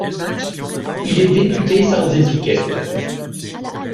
Il est député sans étiquette.